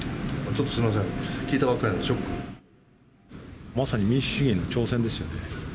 ちょっとすみません、まさに民主主義への挑戦ですよね。